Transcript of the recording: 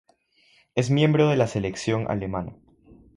Es miembro de la selección alemana.